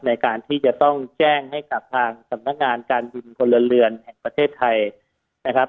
ในการที่จะต้องแจ้งให้กับทางสำนักงานการบินพลเรือนแห่งประเทศไทยนะครับ